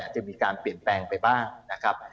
อาจจะมีการเปลี่ยนแปลงไปบ้าง